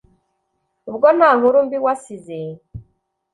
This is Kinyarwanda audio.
ubwo nta nkuru mbi wasize.